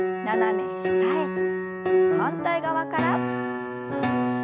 反対側から。